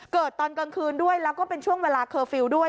ตอนกลางคืนด้วยแล้วก็เป็นช่วงเวลาเคอร์ฟิลล์ด้วย